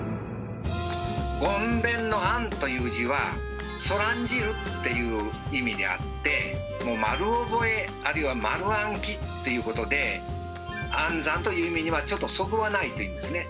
ごんべんの「諳」という字は「そらんじる」っていう意味であってもう丸覚えあるいは丸暗記ということで暗算という意味にはちょっとそぐわないというんですね。